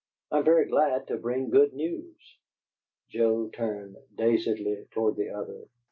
I am very glad you bring good news." Joe turned dazedly toward the other.